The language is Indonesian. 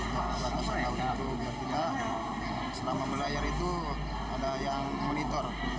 perbatasan laut itu biar tidak selama melayar itu ada yang monitor